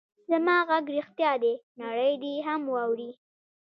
زما غږ رښتیا دی؛ نړۍ دې هم واوري.